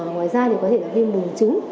ngoài ra có thể là viêm bùng trứng